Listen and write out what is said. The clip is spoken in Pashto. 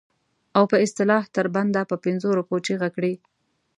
او په اصطلاح تر بنده په پنځو روپو چیغه کړي.